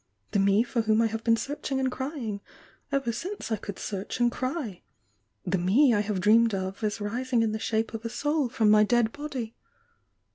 — the Mt for whom I have been searching and crying ever since I could search and cry! — the Me I have dreamed of as rising in the dhape of a Soul from my dead body!